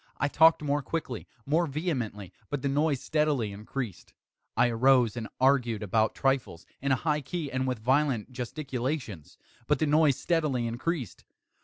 I talked more quickly more vehemently; but the noise steadily increased. I arose and argued about trifles, in a high key and with violent gesticulations; but the noise steadily increased.